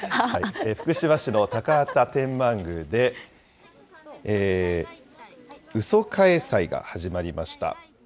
福島市の高畑天満宮で、うそかえ祭が始まりました。